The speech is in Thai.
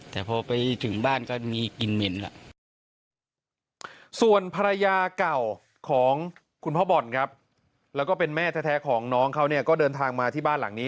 แล้วตามตัวน้องมีกลิ่นมีอะไร